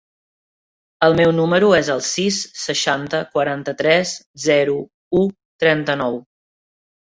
El meu número es el sis, seixanta, quaranta-tres, zero, u, trenta-nou.